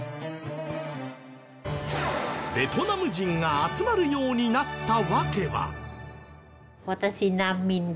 ベトナム人が集まるようになった訳は。